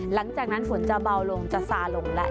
หลังจากนั้นฝนจะเบาลงจะซาลงแล้ว